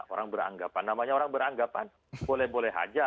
orang beranggapan namanya orang beranggapan boleh boleh aja